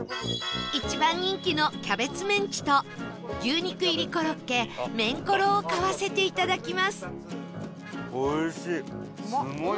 一番人気のキャベツメンチと牛肉入りコロッケメンコロを買わせていただきます